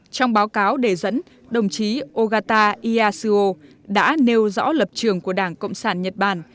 trong báo cáo đề dẫn đồng chí ogata iyashio đã nêu rõ lập trường của đảng cộng sản nhật bản